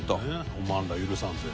「おまんら許さんぜよ」。